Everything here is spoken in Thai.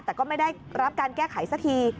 แต่ก็ไม่ได้รับการแก้ไขสักที